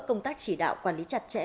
công tác chỉ đạo quản lý chặt chẽ